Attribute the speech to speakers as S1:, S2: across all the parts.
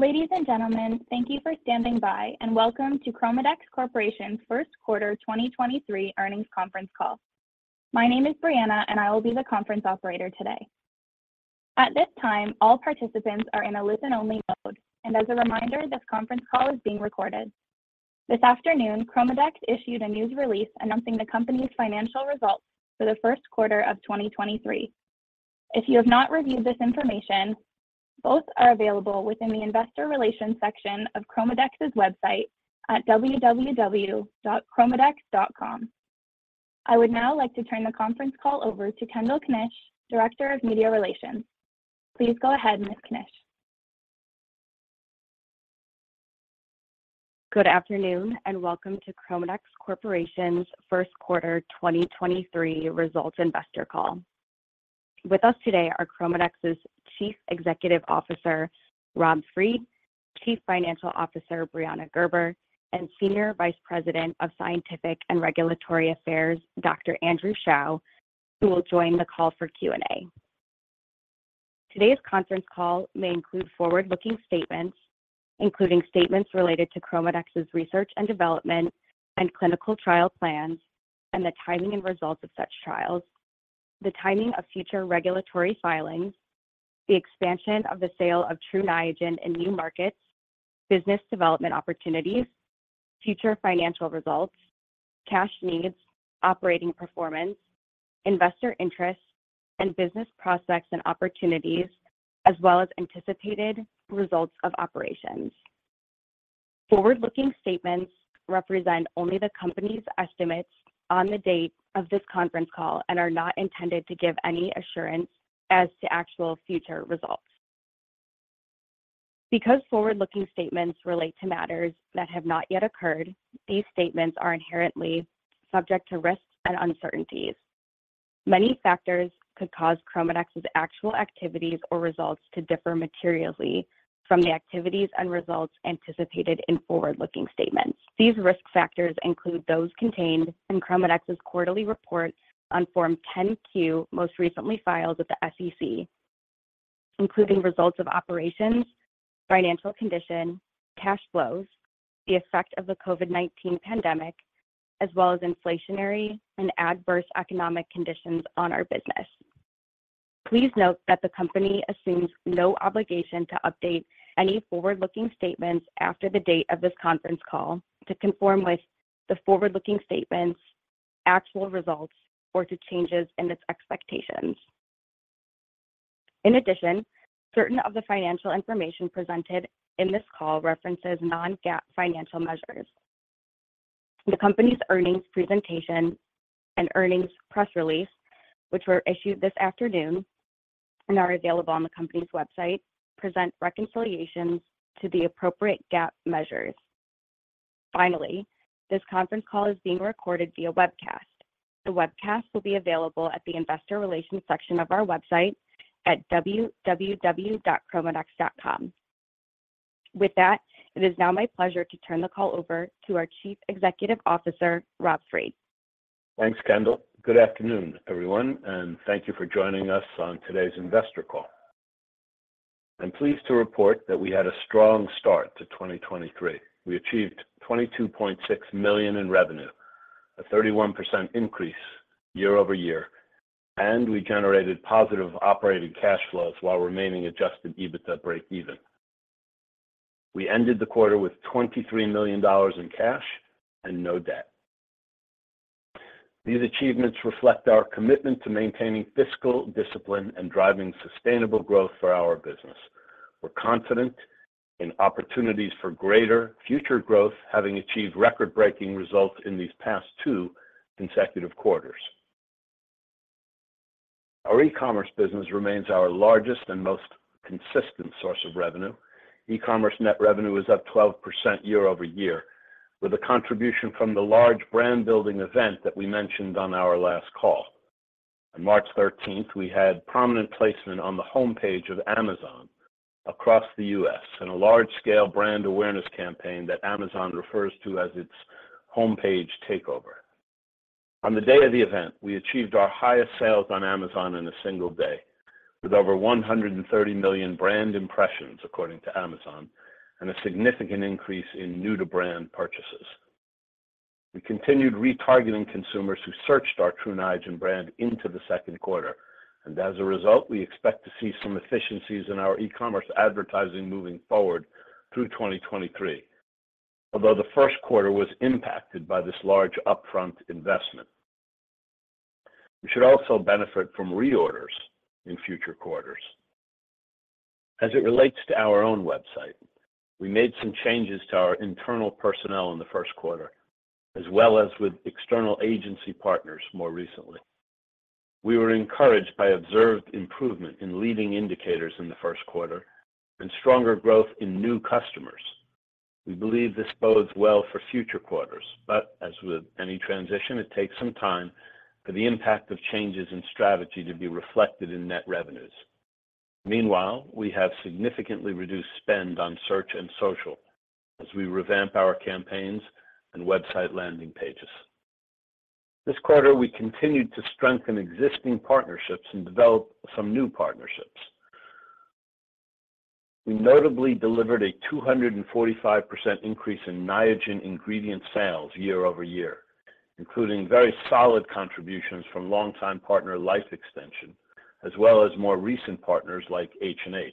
S1: Ladies and gentlemen, thank you for standing by, and welcome to ChromaDex Corporation's first quarter 2023 earnings conference call. My name is Brianna, and I will be the conference operator today. At this time, all participants are in a listen only mode. As a reminder, this conference call is being recorded. This afternoon, ChromaDex issued a news release announcing the company's financial results for the first quarter of 2023. If you have not reviewed this information, both are available within the investor relations section of ChromaDex's website at www.chromadex.com. I would now like to turn the conference call over to Kendall Knysch, Director of Media Relations. Please go ahead, Ms. Knysch.
S2: Good afternoon, and welcome to ChromaDex Corporation's first quarter 2023 results investor call. With us today are ChromaDex's Chief Executive Officer, Rob Fried, Chief Financial Officer, Brianna Gerber, and Senior Vice President of Scientific and Regulatory Affairs, Dr. Andrew Shao, who will join the call for Q&A. Today's conference call may include forward-looking statements, including statements related to ChromaDex's research and development and clinical trial plans, and the timing and results of such trials, the timing of future regulatory filings, the expansion of the sale of TRU NIAGEN in new markets, business development opportunities, future financial results, cash needs, operating performance, investor interests, and business prospects and opportunities, as well as anticipated results of operations. Forward-looking statements represent only the company's estimates on the date of this conference call and are not intended to give any assurance as to actual future results. Forward-looking statements relate to matters that have not yet occurred, these statements are inherently subject to risks and uncertainties. Many factors could cause ChromaDex's actual activities or results to differ materially from the activities and results anticipated in forward-looking statements. These risk factors include those contained in ChromaDex's quarterly report on Form 10-Q, most recently filed with the SEC, including results of operations, financial condition, cash flows, the effect of the COVID-19 pandemic, as well as inflationary and adverse economic conditions on our business. Please note that the company assumes no obligation to update any forward-looking statements after the date of this conference call to conform with the forward-looking statements, actual results, or to changes in its expectations. In addition, certain of the financial information presented in this call references non-GAAP financial measures. The company's earnings presentation and earnings press release, which were issued this afternoon and are available on the company's website, present reconciliations to the appropriate GAAP measures. Finally, this conference call is being recorded via webcast. The webcast will be available at the investor relations section of our website at www.chromadex.com. With that, it is now my pleasure to turn the call over to our Chief Executive Officer, Rob Fried.
S3: Thanks, Kendall. Good afternoon, everyone, and thank you for joining us on today's investor call. I'm pleased to report that we had a strong start to 2023. We achieved $22.6 million in revenue, a 31% increase year-over-year, and we generated positive operating cash flows while remaining adjusted EBITDA breakeven. We ended the quarter with $23 million in cash and no debt. These achievements reflect our commitment to maintaining fiscal discipline and driving sustainable growth for our business. We're confident in opportunities for greater future growth, having achieved record-breaking results in these past two consecutive quarters. Our e-commerce business remains our largest and most consistent source of revenue. E-commerce net revenue is up 12% year-over-year, with a contribution from the large brand building event that we mentioned on our last call. On March 13th, we had prominent placement on the homepage of Amazon across the U.S. in a large scale brand awareness campaign that Amazon refers to as its homepage takeover. On the day of the event, we achieved our highest sales on Amazon in a single day with over 130 million brand impressions, according to Amazon, and a significant increase in new-to-brand purchases. We continued retargeting consumers who searched our TRU NIAGEN brand into the second quarter, and as a result, we expect to see some efficiencies in our e-commerce advertising moving forward through 2023. Although the first quarter was impacted by this large upfront investment. We should also benefit from reorders in future quarters. As it relates to our own website, we made some changes to our internal personnel in the first quarter, as well as with external agency partners more recently. We were encouraged by observed improvement in leading indicators in the first quarter and stronger growth in new customers. We believe this bodes well for future quarters, as with any transition, it takes some time for the impact of changes in strategy to be reflected in net revenues. Meanwhile, we have significantly reduced spend on search and social as we revamp our campaigns and website landing pages. This quarter, we continued to strengthen existing partnerships and develop some new partnerships. We notably delivered a 245% increase in Niagen ingredient sales year-over-year, including very solid contributions from longtime partner, Life Extension, as well as more recent partners like H&H.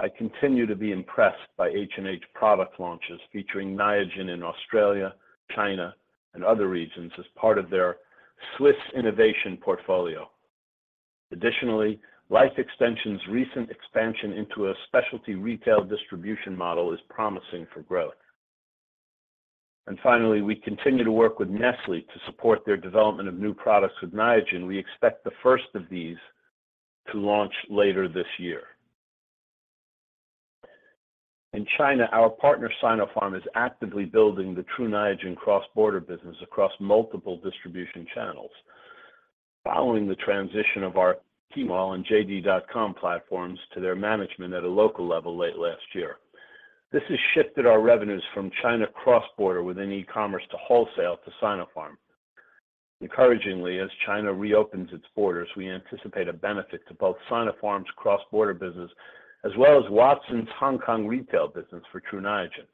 S3: I continue to be impressed by H&H product launches featuring Niagen in Australia, China, and other regions as part of their Swisse innovation portfolio. Additionally, Life Extension's recent expansion into a specialty retail distribution model is promising for growth. Finally, we continue to work with Nestlé to support their development of new products with Niagen. We expect the first of these to launch later this year. In China, our partner, Sinopharm, is actively building the Tru Niagen cross-border business across multiple distribution channels following the transition of our Tmall and JD.com platforms to their management at a local level late last year. This has shifted our revenues from China cross-border within e-commerce to wholesale to Sinopharm. Encouragingly, as China reopens its borders, we anticipate a benefit to both Sinopharm's cross-border business, as well as Watsons' Hong Kong retail business for Tru Niagen.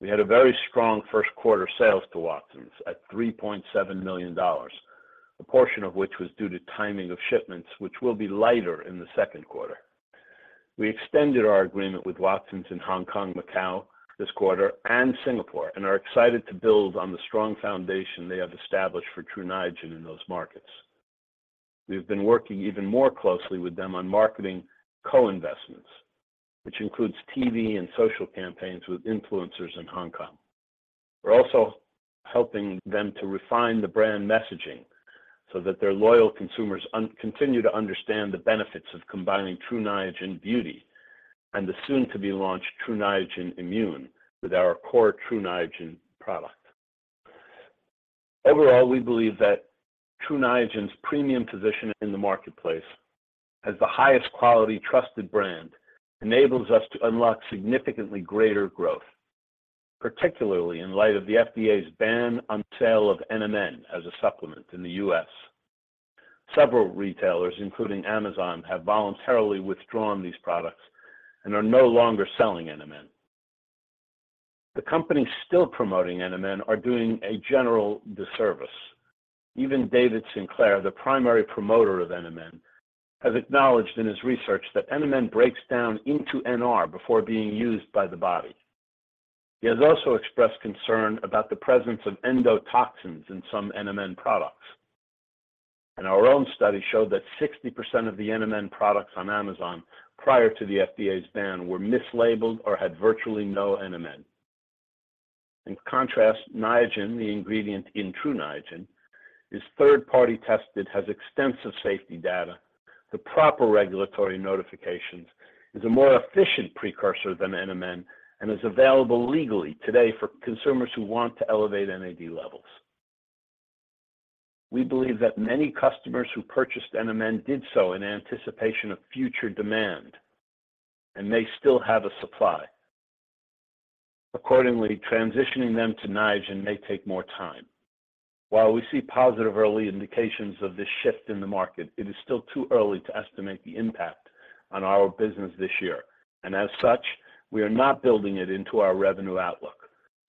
S3: We had a very strong first quarter sales to Watsons at $3.7 million, a portion of which was due to timing of shipments, which will be lighter in the second quarter. We extended our agreement with Watsons in Hong Kong, Macau this quarter, and Singapore, and are excited to build on the strong foundation they have established for Tru Niagen in those markets. We've been working even more closely with them on marketing co-investments, which includes TV and social campaigns with influencers in Hong Kong. We're also helping them to refine the brand messaging so that their loyal consumers continue to understand the benefits of combining Tru Niagen Beauty and the soon-to-be-launched Tru Niagen Immune with our core Tru Niagen product. Overall, we believe that TRU NIAGEN's premium position in the marketplace as the highest quality trusted brand enables us to unlock significantly greater growth, particularly in light of the FDA's ban on sale of NMN as a supplement in the U.S. Several retailers, including Amazon, have voluntarily withdrawn these products and are no longer selling NMN. The companies still promoting NMN are doing a general disservice. Even David Sinclair, the primary promoter of NMN, has acknowledged in his research that NMN breaks down into NR before being used by the body. He has also expressed concern about the presence of endotoxins in some NMN products. Our own study showed that 60% of the NMN products on Amazon prior to the FDA's ban were mislabeled or had virtually no NMN. In contrast, Niagen, the ingredient in Tru Niagen, is third-party tested, has extensive safety data, the proper regulatory notifications, is a more efficient precursor than NMN, and is available legally today for consumers who want to elevate NAD levels. We believe that many customers who purchased NMN did so in anticipation of future demand and may still have a supply. Accordingly, transitioning them to Niagen may take more time. While we see positive early indications of this shift in the market, it is still too early to estimate the impact on our business this year. As such, we are not building it into our revenue outlook.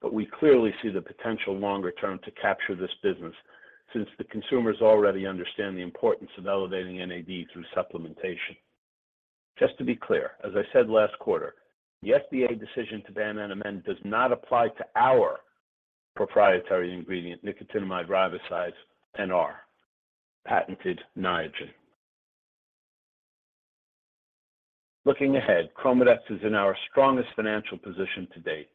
S3: We clearly see the potential longer term to capture this business since the consumers already understand the importance of elevating NAD through supplementation. Just to be clear, as I said last quarter, the FDA decision to ban NMN does not apply to our proprietary ingredient, nicotinamide riboside, NR, patented Niagen. Looking ahead, ChromaDex is in our strongest financial position to date.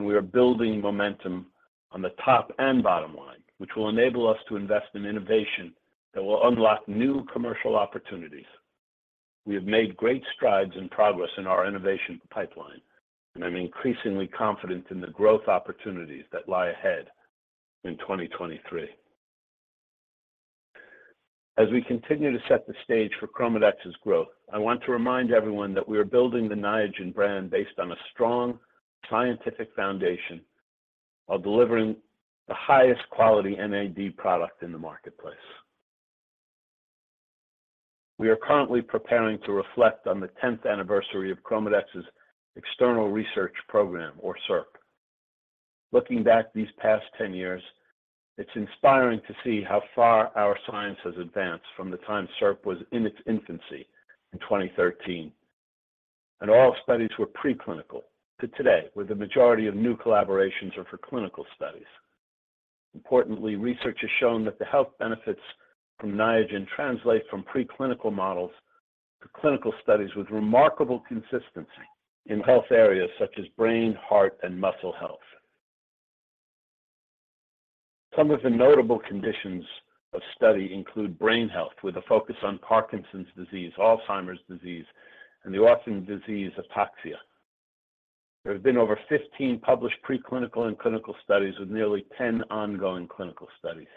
S3: We are building momentum on the top and bottom line, which will enable us to invest in innovation that will unlock new commercial opportunities. We have made great strides and progress in our innovation pipeline, and I'm increasingly confident in the growth opportunities that lie ahead in 2023. As we continue to set the stage for ChromaDex's growth, I want to remind everyone that we are building the Niagen brand based on a strong scientific foundation while delivering the highest quality NAD product in the marketplace. We are currently preparing to reflect on the 10th anniversary of ChromaDex's External Research Program or CERP. Looking back these past 10 years, it's inspiring to see how far our science has advanced from the time CERP was in its infancy in 2013, and all studies were preclinical, to today, where the majority of new collaborations are for clinical studies. Importantly, research has shown that the health benefits from Niagen translate from preclinical models to clinical studies with remarkable consistency in health areas such as brain, heart, and muscle health. Some of the notable conditions of study include brain health with a focus on Parkinson's disease, Alzheimer's disease, and the autism disease, ataxia. There have been over 15 published preclinical and clinical studies with nearly 10 ongoing clinical studies.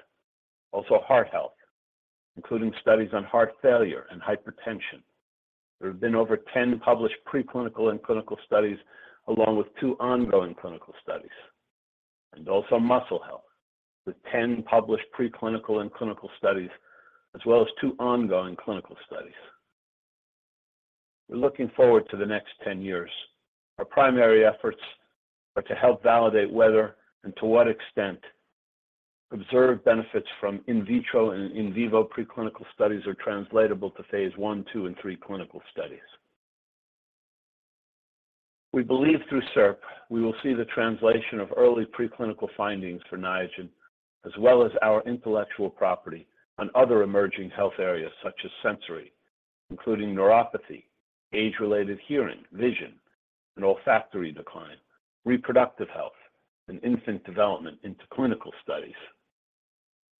S3: Also heart health, including studies on heart failure and hypertension. There have been over 10 published preclinical and clinical studies, along with two ongoing clinical studies. Also muscle health, with 10 published preclinical and clinical studies, as well as 2 ongoing clinical studies. We're looking forward to the next 10 years. Our primary efforts are to help validate whether and to what extent observed benefits from in vitro and in vivo preclinical studies are translatable to phase I, II, and III clinical studies. We believe through SERP, we will see the translation of early preclinical findings for Niagen, as well as our intellectual property on other emerging health areas such as sensory, including neuropathy, age-related hearing, vision, and olfactory decline, reproductive health, and infant development into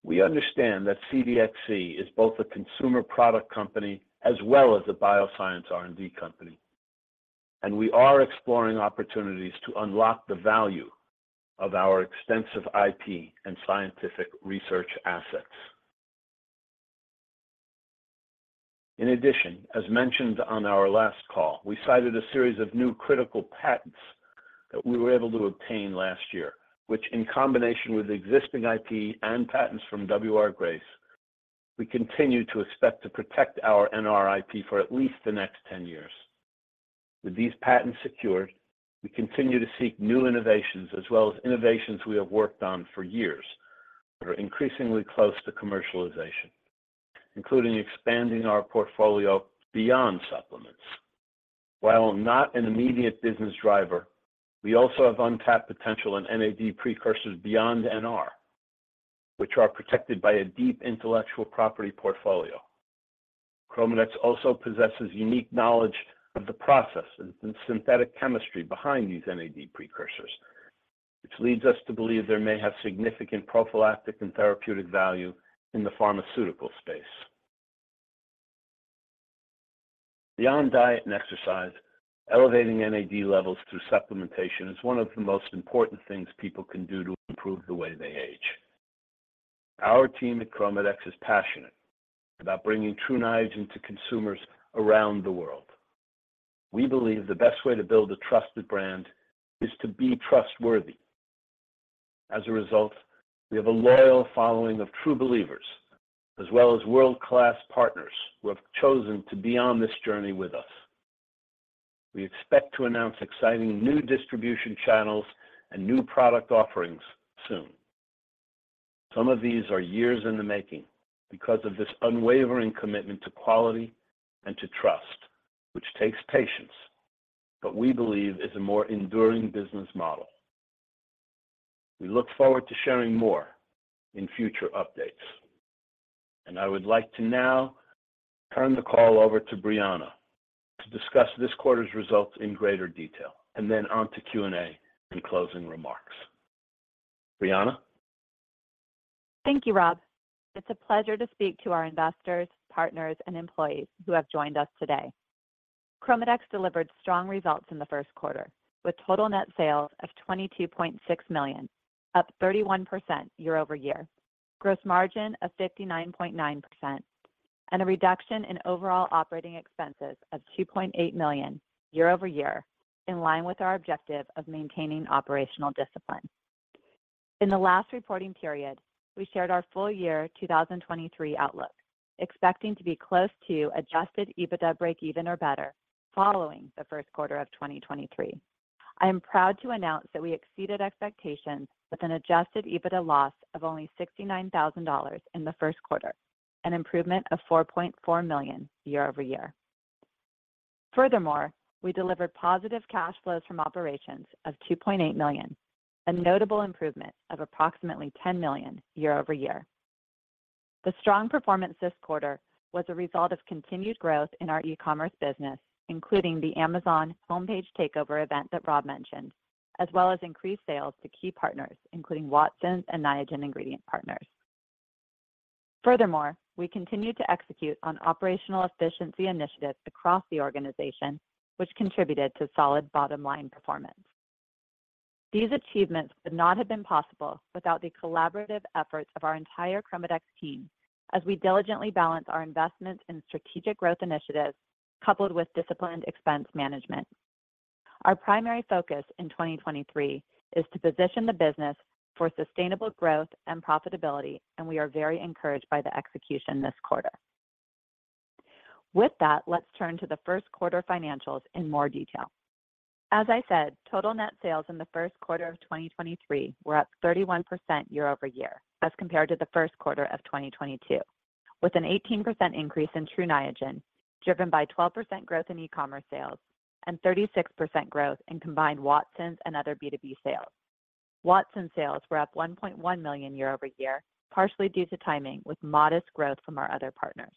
S3: clinical studies. We understand that CDXC is both a consumer product company as well as a bioscience R&D company. We are exploring opportunities to unlock the value of our extensive IP and scientific research assets. In addition, as mentioned on our last call, we cited a series of new critical patents that we were able to obtain last year, which in combination with existing IP and patents from W. R. Grace, we continue to expect to protect our NR IP for at least the next 10 years. With these patents secured, we continue to seek new innovations as well as innovations we have worked on for years that are increasingly close to commercialization, including expanding our portfolio beyond supplements. While not an immediate business driver, we also have untapped potential in NAD+ precursors beyond NR, which are protected by a deep intellectual property portfolio. ChromaDex also possesses unique knowledge of the processes and synthetic chemistry behind these NAD+ precursors, which leads us to believe they may have significant prophylactic and therapeutic value in the pharmaceutical space. Beyond diet and exercise, elevating NAD levels through supplementation is one of the most important things people can do to improve the way they age. Our team at ChromaDex is passionate about bringing Tru Niagen to consumers around the world. We believe the best way to build a trusted brand is to be trustworthy. As a result, we have a loyal following of true believers as well as world-class partners who have chosen to be on this journey with us. We expect to announce exciting new distribution channels and new product offerings soon. Some of these are years in the making because of this unwavering commitment to quality and to trust, which takes patience, but we believe is a more enduring business model. We look forward to sharing more in future updates. I would like to now turn the call over to Brianna to discuss this quarter's results in greater detail, and then on to Q&A and closing remarks. Brianna?
S4: Thank you, Rob. It's a pleasure to speak to our investors, partners, and employees who have joined us today. ChromaDex delivered strong results in the first quarter, with total net sales of $22.6 million, up 31% year-over-year, gross margin of 59.9%, and a reduction in overall operating expenses of $2.8 million year-over-year, in line with our objective of maintaining operational discipline. In the last reporting period, we shared our full year 2023 outlook, expecting to be close to adjusted EBITDA breakeven or better following the first quarter of 2023. I am proud to announce that we exceeded expectations with an adjusted EBITDA loss of only $69,000 in the first quarter, an improvement of $4.4 million year-over-year. We delivered positive cash flows from operations of $2.8 million, a notable improvement of approximately $10 million year-over-year. The strong performance this quarter was a result of continued growth in our e-commerce business, including the Amazon homepage takeover event that Rob mentioned, as well as increased sales to key partners, including Watsons and Niagen ingredient partners. We continued to execute on operational efficiency initiatives across the organization, which contributed to solid bottom-line performance. These achievements would not have been possible without the collaborative efforts of our entire ChromaDex team as we diligently balance our investments in strategic growth initiatives coupled with disciplined expense management. Our primary focus in 2023 is to position the business for sustainable growth and profitability, we are very encouraged by the execution this quarter. With that, let's turn to the first quarter financials in more detail. As I said, total net sales in the first quarter of 2023 were up 31% year-over-year as compared to the first quarter of 2022, with an 18% increase in TRU NIAGEN driven by 12% growth in e-commerce sales and 36% growth in combined Watsons and other B2B sales. Watsons sales were up $1.1 million year-over-year, partially due to timing with modest growth from our other partners.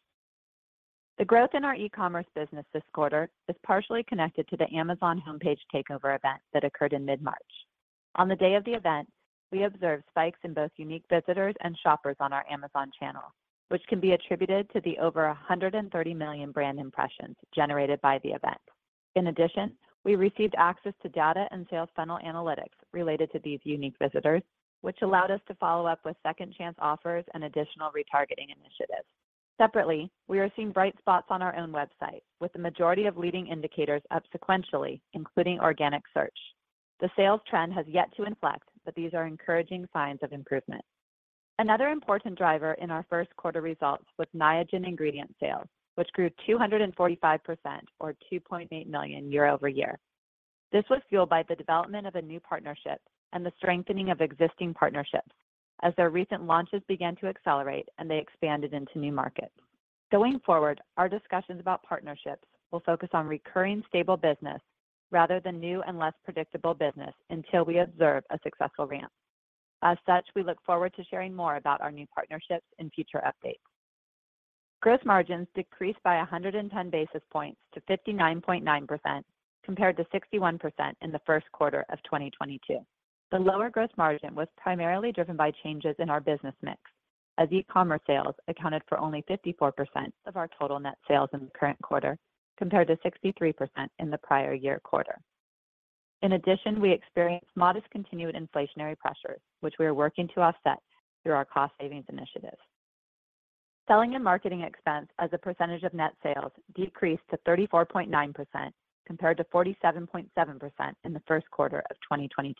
S4: The growth in our e-commerce business this quarter is partially connected to the Amazon homepage takeover event that occurred in mid-March. On the day of the event, we observed spikes in both unique visitors and shoppers on our Amazon channel, which can be attributed to the over 130 million brand impressions generated by the event. We received access to data and sales funnel analytics related to these unique visitors, which allowed us to follow up with second chance offers and additional retargeting initiatives. Separately, we are seeing bright spots on our own website, with the majority of leading indicators up sequentially, including organic search. The sales trend has yet to inflect, but these are encouraging signs of improvement. Another important driver in our first quarter results was Niagen ingredient sales, which grew 245% or $2.8 million year-over-year. This was fueled by the development of a new partnership and the strengthening of existing partnerships as their recent launches began to accelerate and they expanded into new markets. Going forward, our discussions about partnerships will focus on recurring stable business rather than new and less predictable business until we observe a successful ramp. As such, we look forward to sharing more about our new partnerships in future updates. Gross margins decreased by 110 basis points to 59.9% compared to 61% in the first quarter of 2022. The lower gross margin was primarily driven by changes in our business mix as e-commerce sales accounted for only 54% of our total net sales in the current quarter, compared to 63% in the prior year quarter. In addition, we experienced modest continued inflationary pressures, which we are working to offset through our cost savings initiatives. Selling and marketing expense as a percentage of net sales decreased to 34.9% compared to 47.7% in the first quarter of 2022.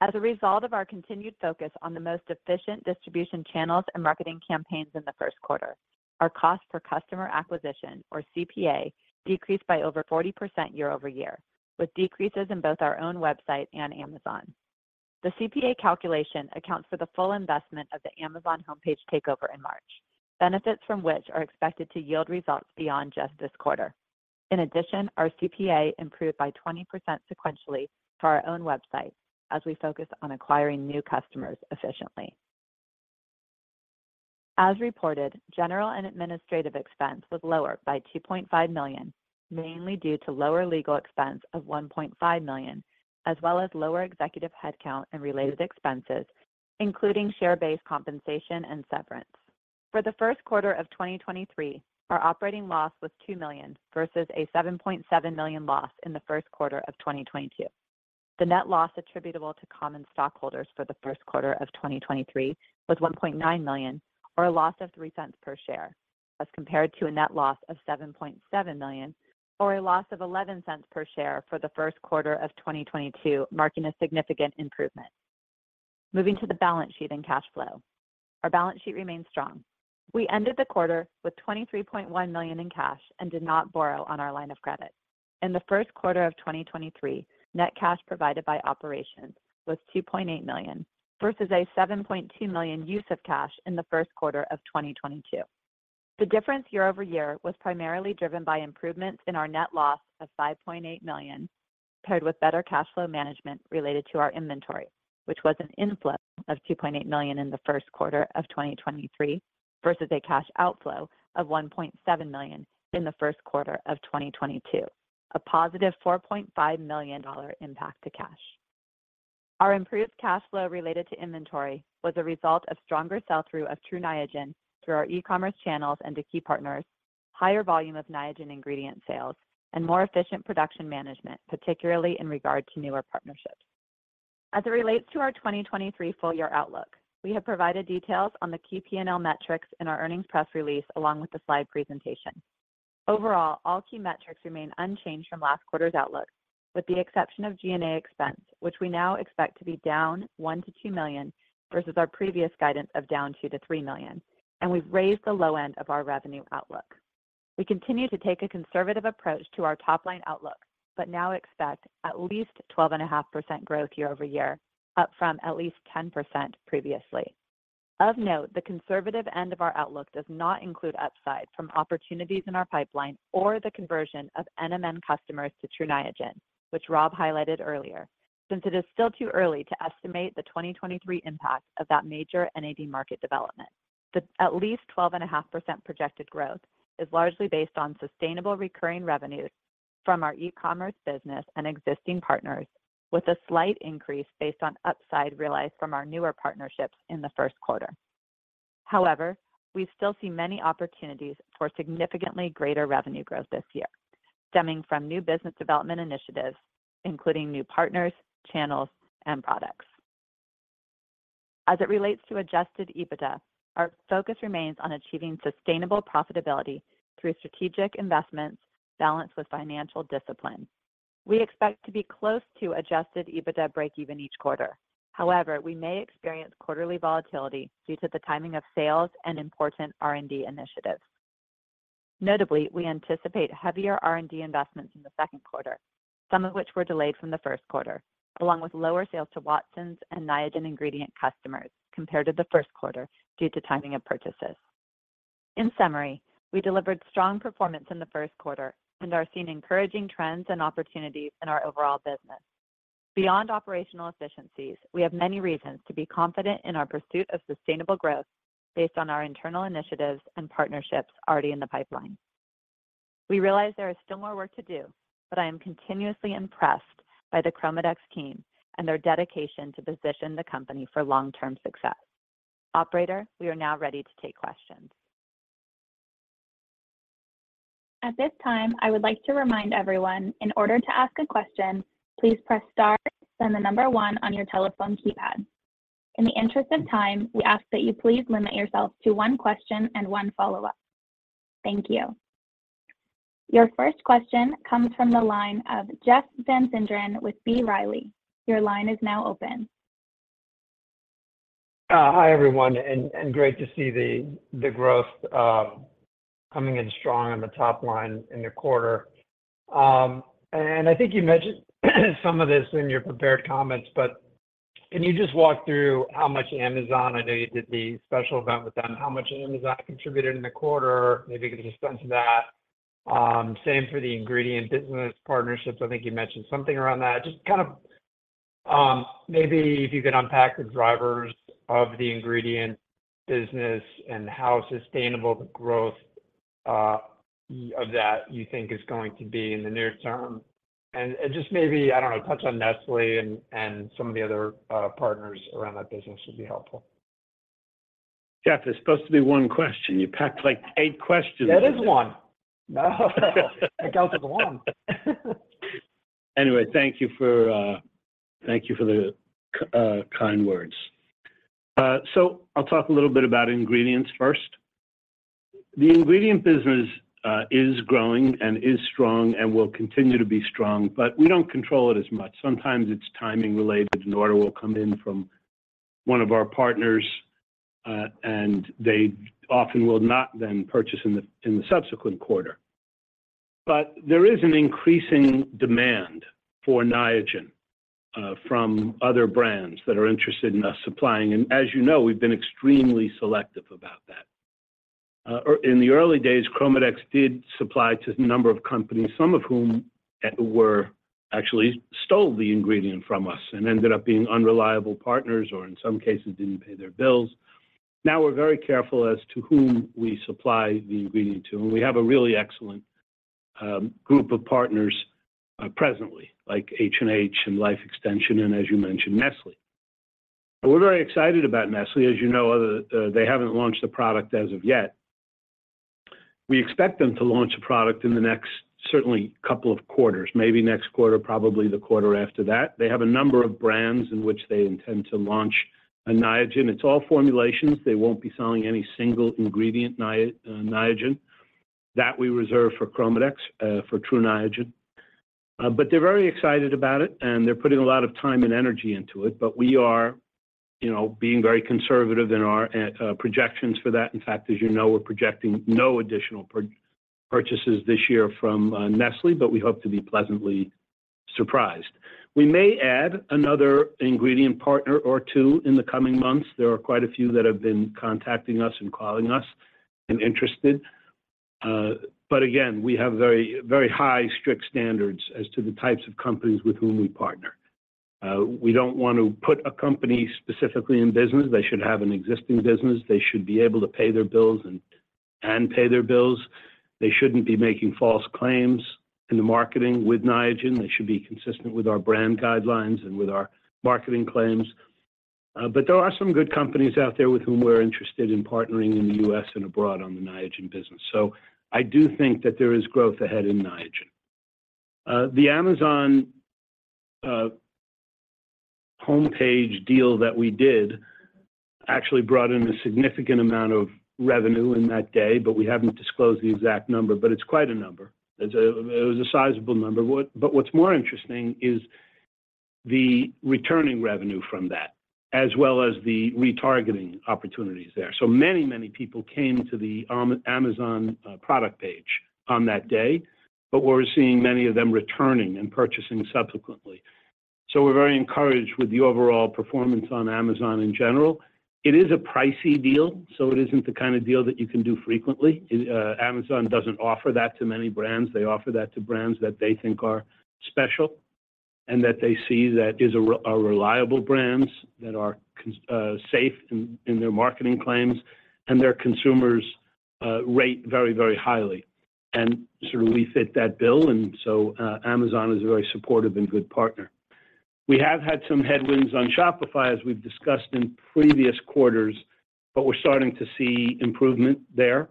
S4: As a result of our continued focus on the most efficient distribution channels and marketing campaigns in the first quarter, our cost per customer acquisition, or CPA, decreased by over 40% year-over-year, with decreases in both our own website and Amazon. The CPA calculation accounts for the full investment of the Amazon homepage takeover in March, benefits from which are expected to yield results beyond just this quarter. In addition, our CPA improved by 20% sequentially for our own websites as we focus on acquiring new customers efficiently. As reported, general and administrative expense was lower by $2.5 million, mainly due to lower legal expense of $1.5 million, as well as lower executive headcount and related expenses, including share-based compensation and severance. For the first quarter of 2023, our operating loss was $2 million versus a $7.7 million loss in the first quarter of 2022. The net loss attributable to common stockholders for the first quarter of 2023 was $1.9 million, or a loss of $0.03 per share, as compared to a net loss of $7.7 million, or a loss of $0.11 per share for the first quarter of 2022, marking a significant improvement. Moving to the balance sheet and cash flow. Our balance sheet remains strong. We ended the quarter with $23.1 million in cash and did not borrow on our line of credit. In the first quarter of 2023, net cash provided by operations was $2.8 million versus a $7.2 million use of cash in the first quarter of 2022. The difference year-over-year was primarily driven by improvements in our net loss of $5.8 million, paired with better cash flow management related to our inventory, which was an inflow of $2.8 million in the first quarter of 2023 versus a cash outflow of $1.7 million in the first quarter of 2022. A positive $4.5 million impact to cash. Our improved cash flow related to inventory was a result of stronger sell-through of TRU NIAGEN through our e-commerce channels and to key partners, higher volume of Niagen ingredient sales, and more efficient production management, particularly in regard to newer partnerships. As it relates to our 2023 full year outlook, we have provided details on the key P&L metrics in our earnings press release along with the slide presentation. Overall, all key metrics remain unchanged from last quarter's outlook, with the exception of G&A expense, which we now expect to be down $1 million-$2 million versus our previous guidance of down $2 million-$3 million. We've raised the low end of our revenue outlook. We continue to take a conservative approach to our top-line outlook, but now expect at least 12.5% growth year-over-year, up from at least 10% previously. Of note, the conservative end of our outlook does not include upside from opportunities in our pipeline or the conversion of NMN customers to Tru Niagen, which Rob highlighted earlier, since it is still too early to estimate the 2023 impact of that major NAD market development. The at least 12.5% projected growth is largely based on sustainable recurring revenues from our e-commerce business and existing partners, with a slight increase based on upside realized from our newer partnerships in the 1st quarter. However, we still see many opportunities for significantly greater revenue growth this year, stemming from new business development initiatives, including new partners, channels, and products. As it relates to adjusted EBITDA, our focus remains on achieving sustainable profitability through strategic investments balanced with financial discipline. We expect to be close to adjusted EBITDA breakeven each quarter. However, we may experience quarterly volatility due to the timing of sales and important R&D initiatives. Notably, we anticipate heavier R&D investments in the second quarter, some of which were delayed from the first quarter, along with lower sales to Watsons and Niagen ingredient customers compared to the first quarter due to timing of purchases. In summary, we delivered strong performance in the first quarter and are seeing encouraging trends and opportunities in our overall business. Beyond operational efficiencies, we have many reasons to be confident in our pursuit of sustainable growth based on our internal initiatives and partnerships already in the pipeline. We realize there is still more work to do, but I am continuously impressed by the ChromaDex team and their dedication to position the company for long-term success. Operator, we are now ready to take questions.
S1: At this time, I would like to remind everyone, in order to ask a question, please press star then the number one on your telephone keypad. In the interest of time, we ask that you please limit yourself to one question and one follow-up. Thank you. Your first question comes from the line of Jeff Van Sinderen with B. Riley. Your line is now open.
S5: Hi, everyone, great to see the growth coming in strong on the top line in your quarter. I think you mentioned some of this in your prepared comments, but can you just walk through how much Amazon, I know you did the special event with them, how much Amazon contributed in the quarter, maybe give a sense of that. Same for the ingredient business partnerships. I think you mentioned something around that. Just kind of, maybe if you could unpack the drivers of the ingredient business and how sustainable the growth of that you think is going to be in the near term. Just maybe, I don't know, touch on Nestlé and some of the other partners around that business would be helpful.
S3: Jeff, it's supposed to be one question. You packed like eight questions.
S5: That is one. No. It counts as one.
S3: Thank you for, thank you for the kind words. I'll talk a little bit about ingredients first. The ingredient business is growing and is strong and will continue to be strong, we don't control it as much. Sometimes it's timing related. An order will come in from one of our partners, and they often will not then purchase in the, in the subsequent quarter. There is an increasing demand for Niagen from other brands that are interested in us supplying. As you know, we've been extremely selective about that. In the early days, ChromaDex did supply to a number of companies, some of whom actually stole the ingredient from us and ended up being unreliable partners or in some cases didn't pay their bills. Now we're very careful as to whom we supply the ingredient to, and we have a really excellent group of partners, presently, like H&H and Life Extension and, as you mentioned, Nestlé. We're very excited about Nestlé. As you know, they haven't launched a product as of yet. We expect them to launch a product in the next certainly couple of quarters, maybe next quarter, probably the quarter after that. They have a number of brands in which they intend to launch a Niagen. It's all formulations. They won't be selling any single ingredient Niagen. That we reserve for ChromaDex for Tru Niagen. They're very excited about it, and they're putting a lot of time and energy into it. We are, you know, being very conservative in our projections for that. In fact, as you know, we're projecting no additional purchases this year from Nestlé. We hope to be pleasantly surprised. We may add another ingredient partner or two in the coming months. There are quite a few that have been contacting us and calling us and interested. Again, we have very high strict standards as to the types of companies with whom we partner. We don't want to put a company specifically in business. They should have an existing business. They should be able to pay their bills and pay their bills. They shouldn't be making false claims in the marketing with Niagen. They should be consistent with our brand guidelines and with our marketing claims. There are some good companies out there with whom we're interested in partnering in the U.S. and abroad on the Niagen business. I do think that there is growth ahead in Niagen. The Amazon Homepage deal that we did actually brought in a significant amount of revenue in that day, we haven't disclosed the exact number, it's quite a number. It was a sizable number. What's more interesting is the returning revenue from that, as well as the retargeting opportunities there.. Many people came to the Amazon product page on that day, we're seeing many of them returning and purchasing subsequently. We're very encouraged with the overall performance on Amazon in general. It is a pricey deal, it isn't the kind of deal that you can do frequently. It, Amazon doesn't offer that to many brands. They offer that to brands that they think are special and that they see that is reliable brands that are safe in their marketing claims and their consumers rate very highly. We fit that bill, and so Amazon is a very supportive and good partner. We have had some headwinds on Shopify, as we've discussed in previous quarters, but we're starting to see improvement there.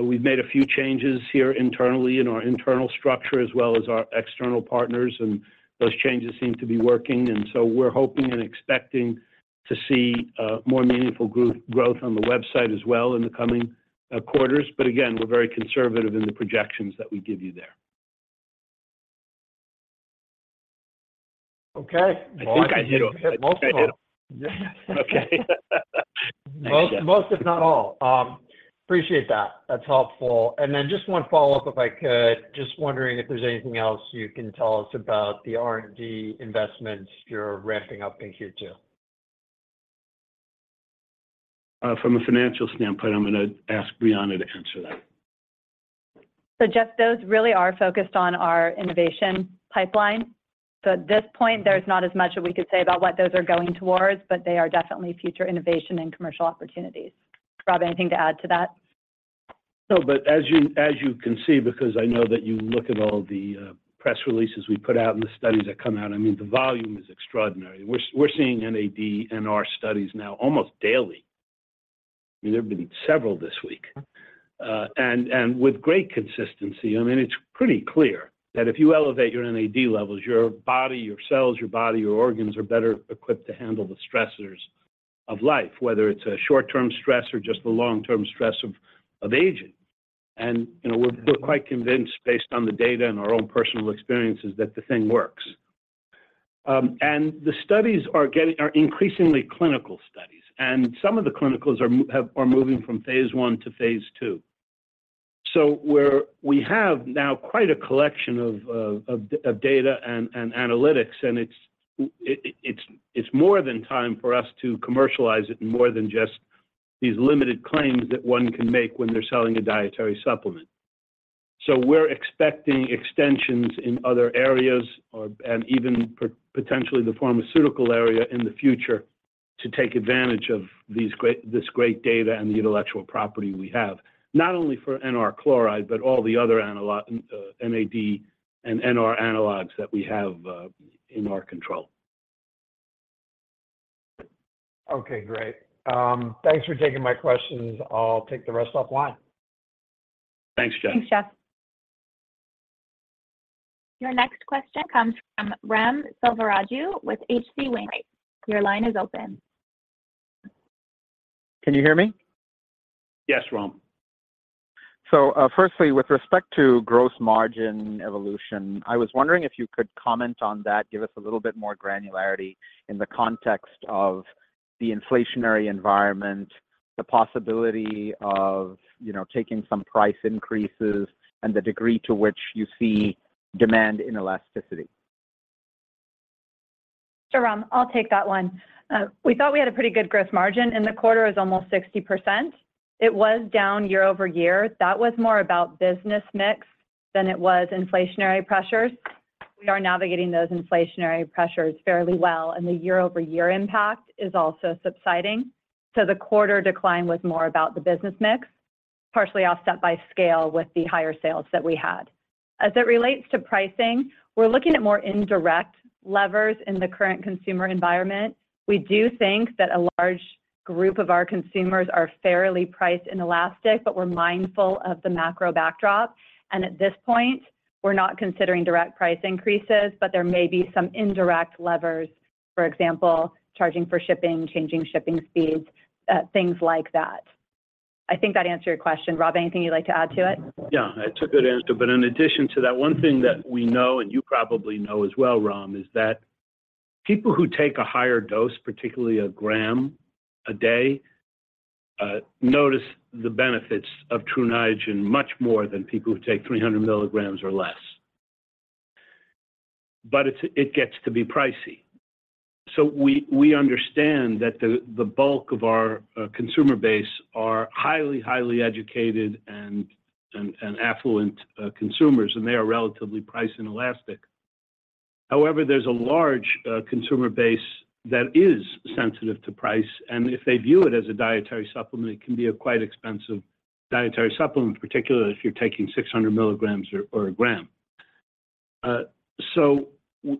S3: We've made a few changes here internally in our internal structure as well as our external partners, and those changes seem to be working. We're hoping and expecting to see more meaningful growth on the website as well in the coming quarters. Again, we're very conservative in the projections that we give you there.
S5: Okay.
S3: I think I hit them.
S5: You hit most of them.
S3: I think I hit them.
S5: Yeah.
S3: Okay.
S5: Most if not all. Appreciate that. That's helpful. Then just one follow-up if I could. Just wondering if there's anything else you can tell us about the R&D investments you're ramping up in Q2?
S3: From a financial standpoint, I'm gonna ask Brianna to answer that.
S4: Jeff, those really are focused on our innovation pipeline. At this point there's not as much that we could say about what those are going towards, but they are definitely future innovation and commercial opportunities. Rob, anything to add to that?
S3: No, as you can see, because I know that you look at all the press releases we put out and the studies that come out, I mean, the volume is extraordinary. We're seeing NAD and NR studies now almost daily. I mean, there have been several this week. With great consistency. I mean, it's pretty clear that if you elevate your NAD levels, your body, your cells, your body, your organs are better equipped to handle the stressors of life, whether it's a short-term stress or just the long-term stress of aging. You know, we're quite convinced based on the data and our own personal experiences that the thing works. The studies are increasingly clinical studies, and some of the clinicals are moving from phase I to phase II. We have now quite a collection of data and analytics, and it's more than time for us to commercialize it in more than just these limited claims that one can make when they're selling a dietary supplement. We're expecting extensions in other areas or even potentially the pharmaceutical area in the future to take advantage of this great data and the intellectual property we have, not only for NR chloride, but all the other NAD and NR analogs that we have in our control.
S5: Okay, great. Thanks for taking my questions. I'll take the rest offline.
S3: Thanks, Jeff.
S1: Thanks, Jeff. Your next question comes from Ram Selvaraju with HC Wainwright. Your line is open.
S6: Can you hear me?
S3: Yes, Ram.
S6: Firstly, with respect to gross margin evolution, I was wondering if you could comment on that, give us a little bit more granularity in the context of the inflationary environment, the possibility of, you know, taking some price increases, and the degree to which you see demand inelasticity.
S4: Ram, I'll take that one. We thought we had a pretty good gross margin, and the quarter is almost 60%. It was down year-over-year. That was more about business mix than it was inflationary pressures. We are navigating those inflationary pressures fairly well, and the year-over-year impact is also subsiding. The quarter decline was more about the business mix, partially offset by scale with the higher sales that we had. As it relates to pricing, we're looking at more indirect levers in the current consumer environment. We do think that a large group of our consumers are fairly priced inelastic, but we're mindful of the macro backdrop. At this point, we're not considering direct price increases, but there may be some indirect levers. For example, charging for shipping, changing shipping speeds, things like that. I think that answered your question. Rob, anything you'd like to add to it?
S3: Yeah, it's a good answer. In addition to that, one thing that we know, and you probably know as well, Ram, is that people who take a higher dose, particularly a gram a day, notice the benefits of Tru Niagen much more than people who take 300 milligrams or less. It gets to be pricey. We understand that the bulk of our consumer base are highly educated and affluent consumers, and they are relatively price inelastic. However, there's a large consumer base that is sensitive to price, and if they view it as a dietary supplement, it can be a quite expensive dietary supplement, particularly if you're taking 600 milligrams or a gram.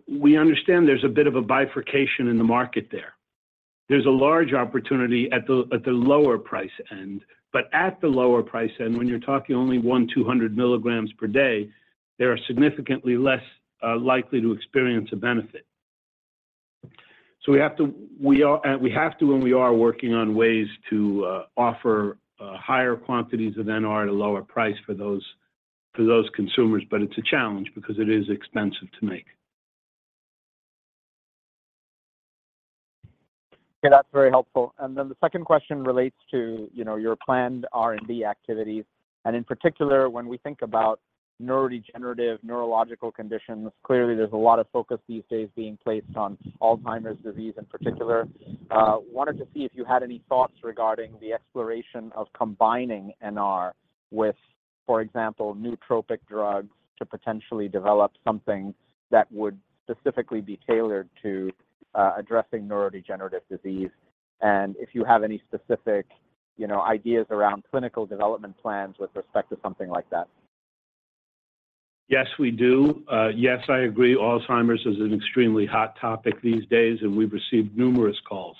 S3: We understand there's a bit of a bifurcation in the market there. There's a large opportunity at the lower price end. At the lower price end, when you're talking only 100, 200 milligrams per day, they are significantly less likely to experience a benefit. We have to, and we are working on ways to offer higher quantities of NR at a lower price for those consumers. It's a challenge because it is expensive to make.
S6: Okay. That's very helpful. The second question relates to, you know, your planned R&D activities. In particular, when we think about neurodegenerative neurological conditions, clearly there's a lot of focus these days being placed on Alzheimer's disease in particular. Wanted to see if you had any thoughts regarding the exploration of combining NR with, for example, nootropic drugs to potentially develop something that would specifically be tailored to, addressing neurodegenerative disease, and if you have any specific, you know, ideas around clinical development plans with respect to something like that.
S3: Yes, we do. Yes, I agree. Alzheimer's is an extremely hot topic these days, and we've received numerous calls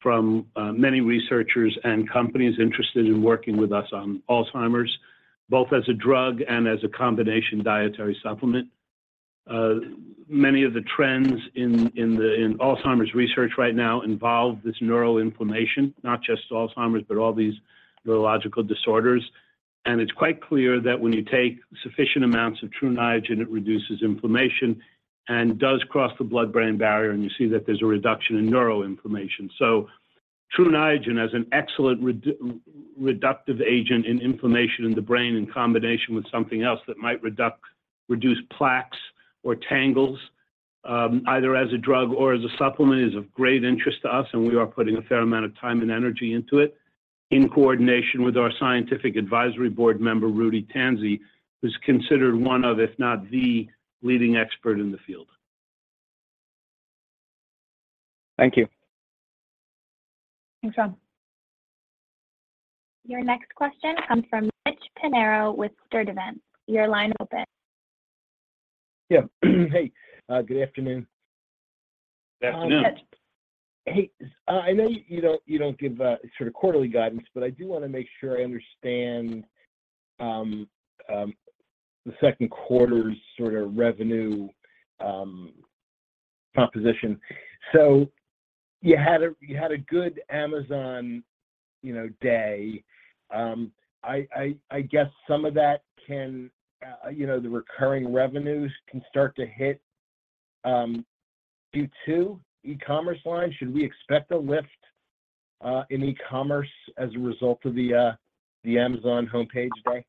S3: from, many researchers and companies interested in working with us on Alzheimer's, both as a drug and as a combination dietary supplement. Many of the trends in Alzheimer's research right now involve this neural inflammation, not just Alzheimer's, but all these neurological disorders. It's quite clear that when you take sufficient amounts of Tru Niagen, it reduces inflammation and does cross the blood-brain barrier, and you see that there's a reduction in neural inflammation. Tru Niagen, as an excellent reductive agent in inflammation in the brain in combination with something else that might reduce plaques or tangles, either as a drug or as a supplement, is of great interest to us. We are putting a fair amount of time and energy into it in coordination with our scientific advisory board member, Rudolph Tanzi, who's considered one of, if not the leading expert in the field. Thank you.
S4: Thanks, Rob.
S1: Your next question comes from Mitch Pinheiro with Sturdivant & Co. Your line open.
S7: Yeah. Hey, good afternoon.
S3: Good afternoon.
S7: I know you don't, you don't give sort of quarterly guidance, but I do wanna make sure I understand the second quarter's sort of revenue proposition. You had a, you had a good Amazon, you know, day. I, I guess some of that can, you know, the recurring revenues can start to hit Q2 e-commerce line. Should we expect a lift in e-commerce as a result of the Amazon homepage day?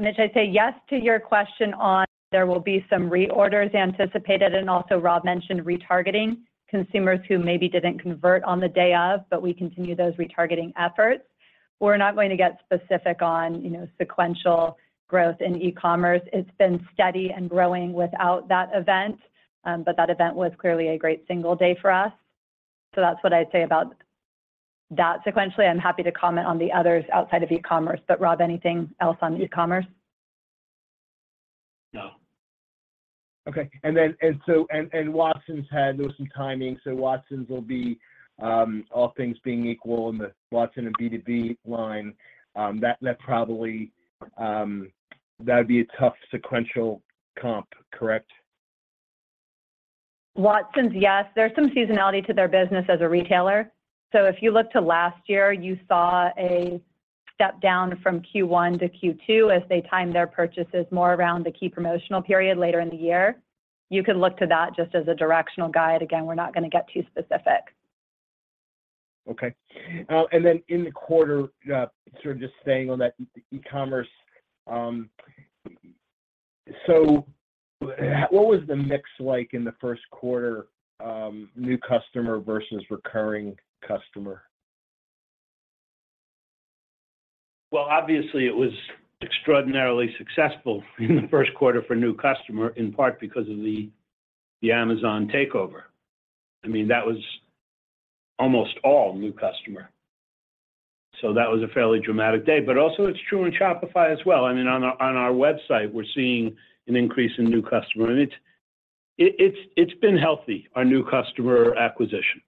S4: Mitch, I'd say yes to your question on there will be some reorders anticipated, and also Rob mentioned retargeting consumers who maybe didn't convert on the day of, but we continue those retargeting efforts. We're not going to get specific on, you know, sequential growth in e-commerce. It's been steady and growing without that event. That event was clearly a great single day for us. That's what I'd say about that sequentially. I'm happy to comment on the others outside of e-commerce. Rob, anything else on e-commerce?
S3: No.
S7: Okay. There was some timing, Watsons will be all things being equal in the Watsons and B2B line, that probably that'd be a tough sequential comp, correct?
S4: Watsons, yes. There's some seasonality to their business as a retailer. If you look to last year, you saw a step down from Q1 to Q2 as they time their purchases more around the key promotional period later in the year. You could look to that just as a directional guide. Again, we're not gonna get too specific.
S7: Okay. In the quarter, sort of just staying on that e-commerce, what was the mix like in the first quarter, new customer versus recurring customer?
S3: Well, obviously it was extraordinarily successful in the first quarter for new customer, in part because of the Amazon takeover. I mean, that was almost all new customer, so that was a fairly dramatic day. It's true in Shopify as well. I mean, on our website, we're seeing an increase in new customer and it's been healthy, our new customer acquisition.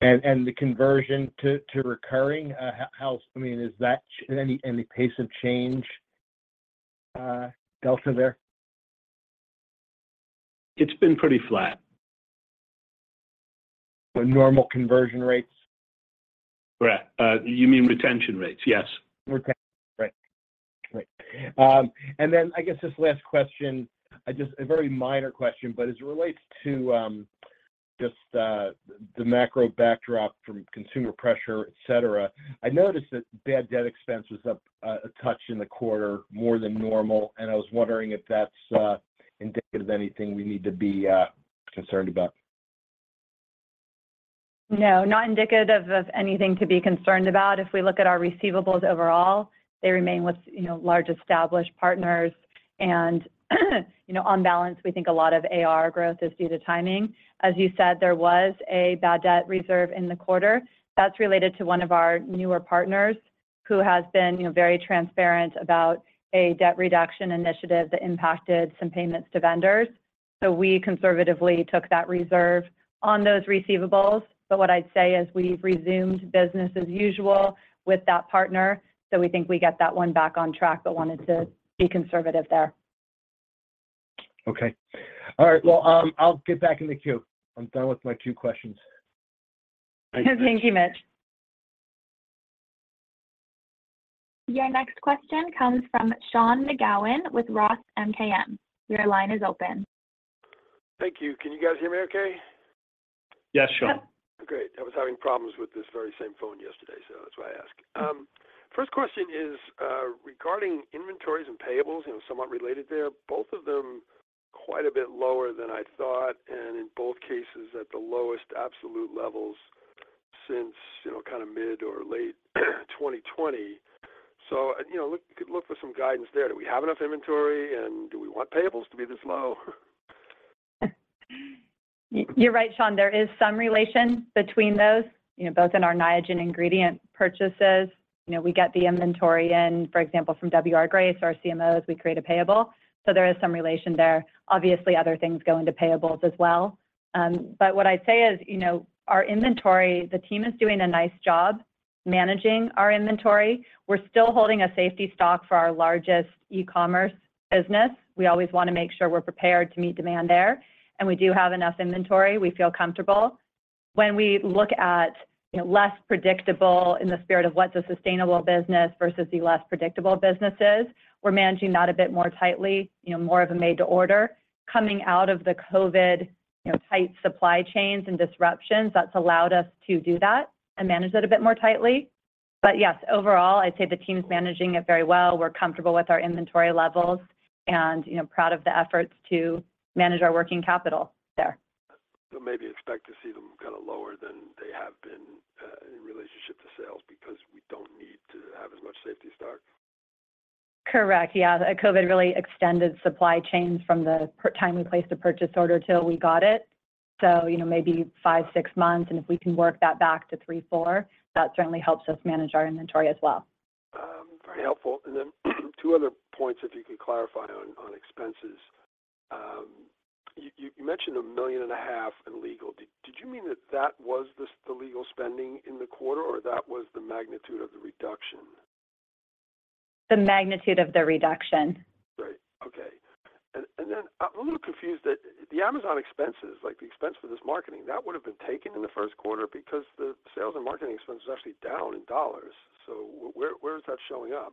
S7: The conversion to recurring, how... I mean, is that any pace of change, delta there?
S3: It's been pretty flat.
S7: With normal conversion rates?
S3: Correct. You mean retention rates? Yes.
S7: Retention. Right. Right. Then I guess this last question, just a very minor question, but as it relates to, just the macro backdrop from consumer pressure, et cetera, I noticed that bad debt expense was up a touch in the quarter, more than normal, and I was wondering if that's indicative of anything we need to be concerned about?
S4: No, not indicative of anything to be concerned about. If we look at our receivables overall, they remain with, you know, large established partners and, you know, on balance, we think a lot of AR growth is due to timing. As you said, there was a bad debt reserve in the quarter. That's related to one of our newer partners who has been, you know, very transparent about a debt reduction initiative that impacted some payments to vendors. We conservatively took that reserve on those receivables. What I'd say is we've resumed business as usual with that partner, so we think we get that one back on track, but wanted to be conservative there.
S7: Okay. All right. Well, I'll get back in the queue. I'm done with my two questions.
S4: Thank you, Mitch.
S1: Your next question comes from Sean McGowan with ROTH MKM. Your line is open.
S8: Thank you. Can you guys hear me okay?
S3: Yes, Sean.
S4: Yep.
S8: Great. I was having problems with this very same phone yesterday. That's why I ask. First question is regarding inventories and payables, somewhat related there, both of them quite a bit lower than I thought, and in both cases at the lowest absolute levels since mid or late 2020. Could look for some guidance there. Do we have enough inventory and do we want payables to be this low?
S4: You're right, Sean. There is some relation between those, you know, both in our Niagen ingredient purchases. You know, we get the inventory in, for example, from W. R. Grace & Co., our CMOs, we create a payable. There is some relation there. Obviously, other things go into payables as well. What I'd say is, you know, our inventory, the team is doing a nice job managing our inventory. We're still holding a safety stock for our largest e-commerce business. We always wanna make sure we're prepared to meet demand there, and we do have enough inventory. We feel comfortable. When we look at, you know, less predictable in the spirit of what's a sustainable business versus the less predictable businesses, we're managing that a bit more tightly, you know, more of a made to order. Coming out of the COVID, you know, tight supply chains and disruptions, that's allowed us to do that and manage that a bit more tightly. Yes, overall, I'd say the team's managing it very well. We're comfortable with our inventory levels and, you know, proud of the efforts to manage our working capital there.
S8: Maybe expect to see them kinda lower than they have been, in relationship.
S4: Correct. Yeah. The COVID really extended supply chains from the time we placed a purchase order till we got it. You know, maybe five, six months, and if we can work that back to three, four, that certainly helps us manage our inventory as well.
S8: Very helpful. Two other points, if you could clarify on expenses. You mentioned $1.5 million in legal. Did you mean that that was the legal spending in the quarter, or that was the magnitude of the reduction?
S4: The magnitude of the reduction.
S8: Right. Okay. Then I'm a little confused that the Amazon expenses, like the expense for this marketing, that would have been taken in the first quarter because the sales and marketing expense is actually down in dollars. Where is that showing up?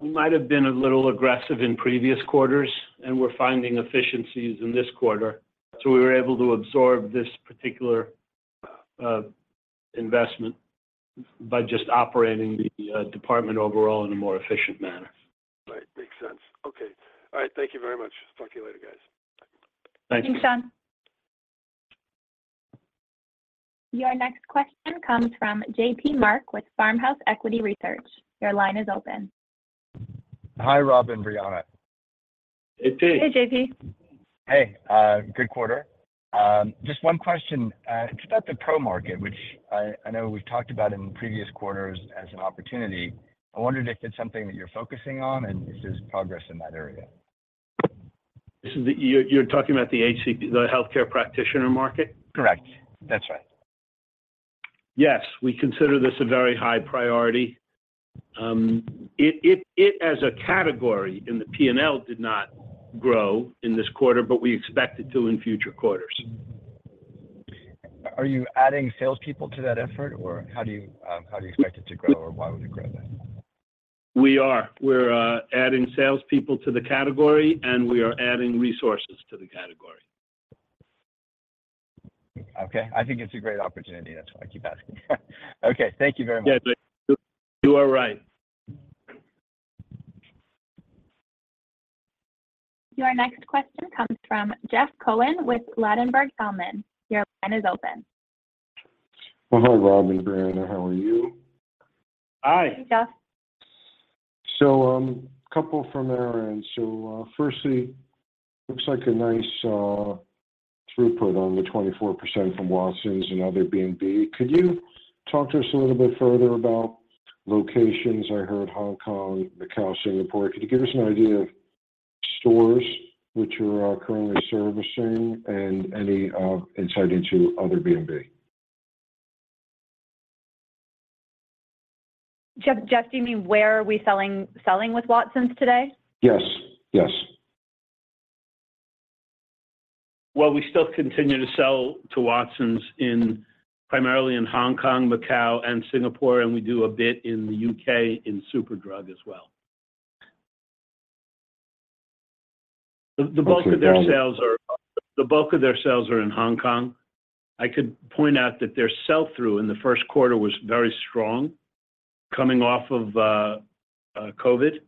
S3: We might have been a little aggressive in previous quarters, and we're finding efficiencies in this quarter. We were able to absorb this particular investment by just operating the department overall in a more efficient manner.
S8: Right. Makes sense. Okay. All right. Thank you very much. Talk to you later, guys.
S3: Thank you.
S4: Thanks, Sean.
S1: Your next question comes from JP Mark with Farmhouse Equity Research. Your line is open.
S9: Hi, Rob and Brianna.
S3: Hey, J.P.
S4: Hey, JP.
S9: Hey. good quater. Just one question, it's about the pro market, which I know we've talked about in previous quarters as an opportunity. I wondered if it's something that you're focusing on and if there's progress in that area?
S3: You're talking about the healthcare practitioner market?
S9: Correct. That's right.
S3: Yes. We consider this a very high priority. It as a category in the P&L did not grow in this quarter, but we expect it to in future quarters.
S9: Are you adding salespeople to that effort, or how do you, how do you expect it to grow, or why would it grow then?
S3: We are. We're, adding salespeople to the category, and we are adding resources to the category.
S9: Okay. I think it's a great opportunity. That's why I keep asking. Okay. Thank you very much.
S3: Yes. You are right.
S1: Your next question comes from Jeff Cohen with Ladenburg Thalmann. Your line is open.
S10: Well, hi, Rob and Brianna. How are you?
S3: Hi.
S4: Hey, Jeff.
S10: A couple from our end. Firstly, looks like a nice throughput on the 24% from Watsons and other B&B. Could you talk to us a little bit further about locations? I heard Hong Kong, Macau, Singapore. Could you give us an idea of stores which you are currently servicing and any insight into other B&B?
S4: Jeff, do you mean where are we selling with Watsons today?
S10: Yes. Yes.
S3: Well, we still continue to sell to Watsons primarily in Hong Kong, Macau, and Singapore, and we do a bit in the U.K. in Superdrug as well.
S10: Okay. Follow-up-
S3: The bulk of their sales are in Hong Kong. I could point out that their sell-through in the first quarter was very strong coming off of COVID.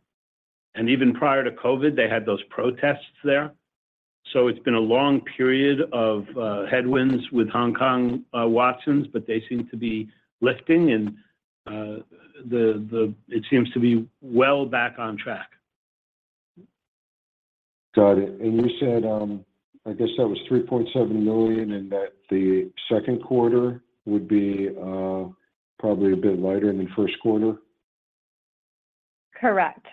S3: Even prior to COVID, they had those protests there. It's been a long period of headwinds with Hong Kong Watsons, but they seem to be lifting and it seems to be well back on track.
S10: Got it. you said, I guess that was $3.7 million and that the second quarter would be, probably a bit lighter than the first quarter?
S4: Correct.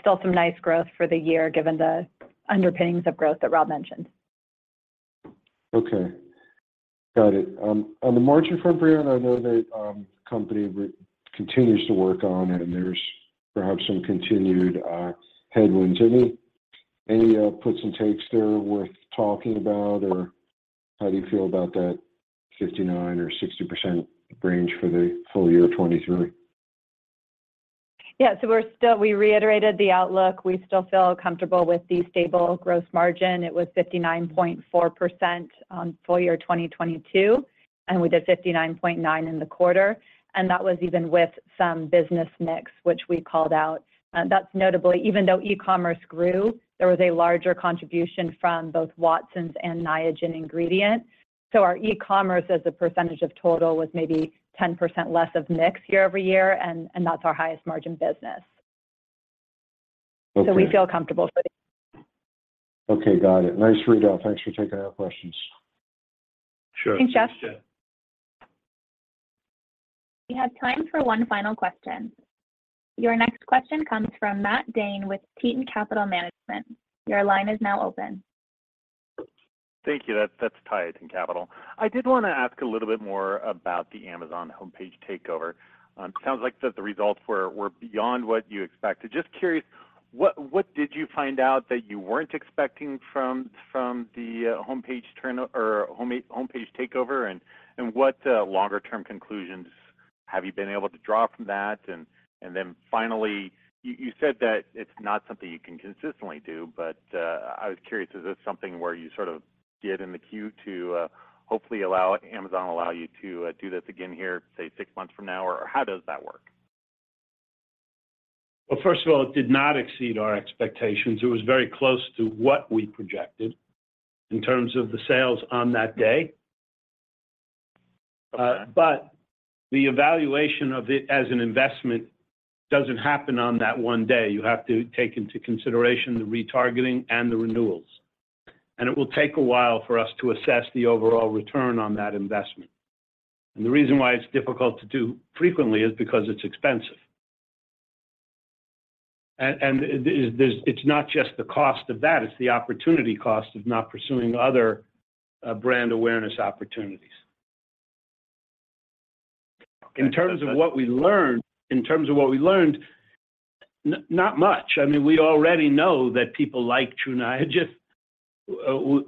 S4: Still some nice growth for the year given the underpinnings of growth that Rob mentioned.
S10: Okay. Got it. On the margin front, Brianna, I know the company re-continues to work on and there's perhaps some continued headwinds. Any puts and takes there worth talking about, or how do you feel about that 59% or 60% range for the full year of 2023?
S4: Yeah. We reiterated the outlook. We still feel comfortable with the stable gross margin. It was 59.4% on full year 2022, and we did 59.9% in the quarter. That was even with some business mix, which we called out. That's notably even though e-commerce grew, there was a larger contribution from both Watsons and Niagen ingredient. Our e-commerce as a percentage of total was maybe 10% less of mix year-over-year, and that's our highest margin business.
S10: Okay.
S4: We feel comfortable with it.
S10: Okay. Got it. Nice readout. Thanks for taking our questions.
S3: Sure. Thanks, Jeff.
S4: Thanks, Jeff.
S1: We have time for one final question. Your next question comes from Matt Dhane with Teton Capital Management. Your line is now open.
S11: Thank you. That's Teton Capital. I did want to ask a little bit more about the Amazon homepage takeover. Sounds like the results were beyond what you expected. Just curious, what did you find out that you weren't expecting from the homepage takeover, and what longer term conclusions have you been able to draw from that? Then finally, you said that it's not something you can consistently do, but I was curious, is this something where you sort of get in the queue to hopefully allow Amazon allow you to do this again here, say, six months from now? Or how does that work?
S3: First of all, it did not exceed our expectations. It was very close to what we projected in terms of the sales on that day. The evaluation of it as an investment doesn't happen on that one day. You have to take into consideration the retargeting and the renewals, and it will take a while for us to assess the overall return on that investment. The reason why it's difficult to do frequently is because it's expensive. It's not just the cost of that, it's the opportunity cost of not pursuing other brand awareness opportunities. In terms of what we learned, in terms of what we learned, not much. I mean, we already know that people like Tru Niagen.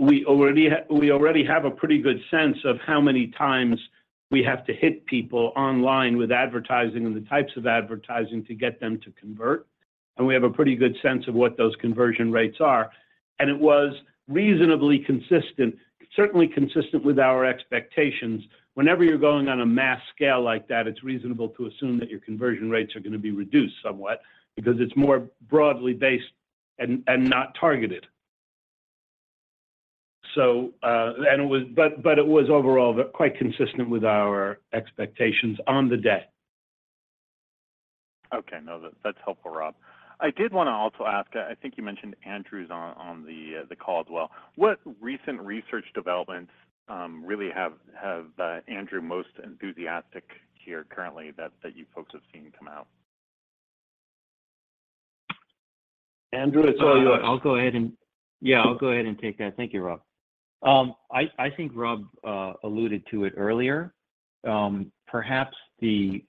S3: We already have a pretty good sense of how many times we have to hit people online with advertising and the types of advertising to get them to convert, and we have a pretty good sense of what those conversion rates are. It was reasonably consistent, certainly consistent with our expectations. Whenever you're going on a mass scale like that, it's reasonable to assume that your conversion rates are gonna be reduced somewhat because it's more broadly based and not targeted. It was overall quite consistent with our expectations on the day.
S11: Okay. No, that's helpful, Rob. I did wanna also ask, I think you mentioned Andrew's on the call as well. What recent research developments really have Andrew most enthusiastic here currently that you folks have seen come out?
S3: Andrew, it's all yours.
S12: I'll go ahead and take that. Thank you, Rob. I think Rob alluded to it earlier. Perhaps the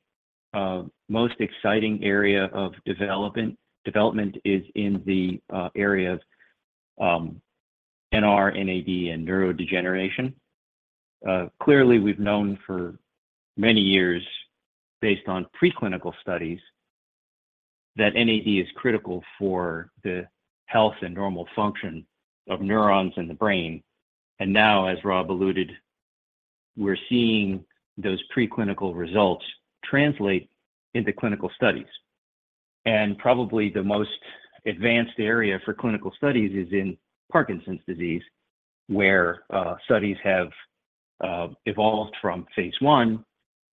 S12: most exciting area of development is in the area of NR, NAD, and neurodegeneration. Clearly, we've known for many years based on preclinical studies that NAD is critical for the health and normal function of neurons in the brain. Now, as Rob alluded, we're seeing those preclinical results translate into clinical studies. Probably the most advanced area for clinical studies is in Parkinson's disease, where studies have evolved from phase I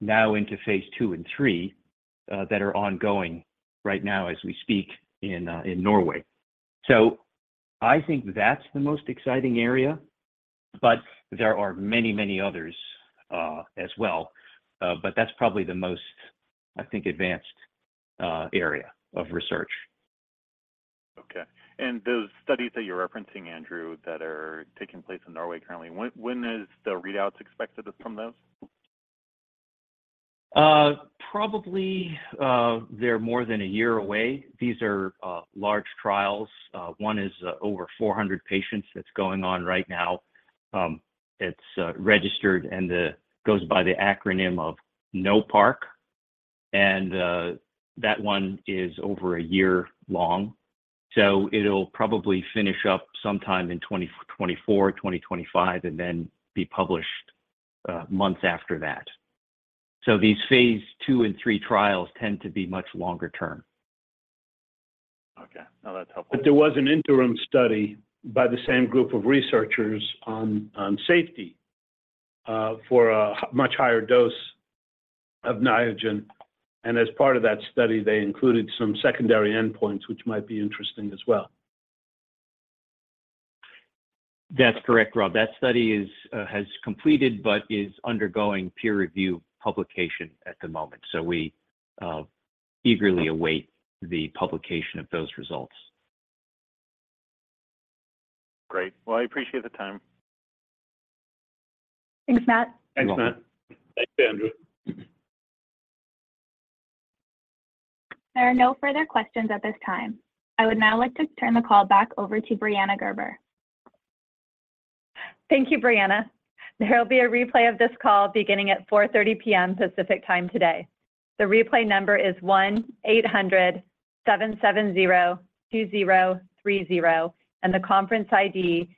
S12: now into phase II and III that are ongoing right now as we speak in Norway. I think that's the most exciting area, but there are many, many others as well. That's probably the most, I think, advanced area of research.
S11: Okay. Those studies that you're referencing, Andrew, that are taking place in Norway currently, when is the readouts expected from those?
S12: Probably, they're more than a year away. These are large trials. One is over 400 patients that's going on right now. It's registered and goes by the acronym of NOPARK, and that one is over a year long. It'll probably finish up sometime in 2024, 2025, and then be published months after that. These phase II and III trials tend to be much longer term.
S11: Okay. No, that's helpful.
S3: There was an interim study by the same group of researchers on safety, for a much higher dose of Niagen. As part of that study, they included some secondary endpoints, which might be interesting as well.
S12: That's correct, Rob. That study is has completed but is undergoing peer review publication at the moment. We eagerly await the publication of those results.
S11: Great. Well, I appreciate the time.
S4: Thanks, Matt.
S3: You're welcome.
S11: Thanks, Matt. Thanks, Andrew.
S1: There are no further questions at this time. I would now like to turn the call back over to Brianna Gerber.
S4: Thank you, Brianna. There will be a replay of this call beginning at 4:30 P.M. Pacific Time today. The replay number is 1-800-770-2030, and the conference ID is